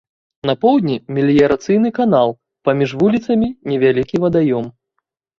На поўдні меліярацыйны канал, паміж вуліцамі невялікі вадаём.